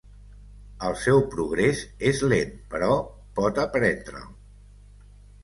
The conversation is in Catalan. El seu progrés és lent, però pot aprendre'l.